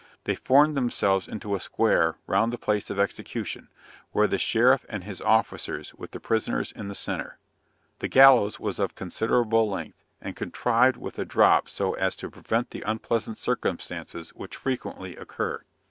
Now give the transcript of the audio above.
They formed themselves into a square round the place of execution, with the sheriff and his officers with the prisoners in the centre. The gallows was of considerable length, and contrived with a drop so as to prevent the unpleasant circumstances which frequently occur.